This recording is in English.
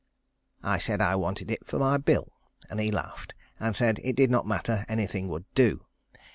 I said I wanted it for my bill; and he laughed, and said it did not matter, anything would do.